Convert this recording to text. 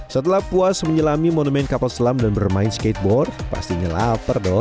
setelah puas menyelami monumen kapal selam dan bermain skateboard pastinya lapar dong